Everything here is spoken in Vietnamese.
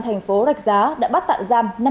tp đạch giá đã bắt tạo giam